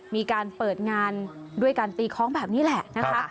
มีการเปิดงานด้วยการตีคล้องแบบนี้แหละนะคะ